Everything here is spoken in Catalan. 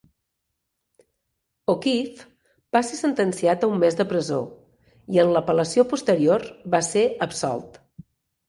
O'Keefe va ser sentenciat a un mes de presó, i en l'apel·lació posterior va ser absolt.